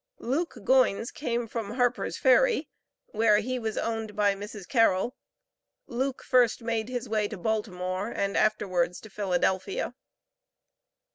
Luke Goines came from Harper's Ferry, where he was owned by Mrs. Carroll. Luke first made his way to Baltimore and afterwards to Philadelphia.